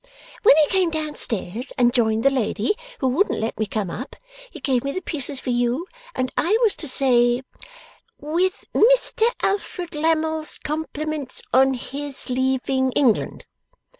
'When he came down stairs and joined the lady who wouldn't let me come up, he gave me the pieces for you, and I was to say, "With Mr Alfred Lammle's compliments on his leaving England."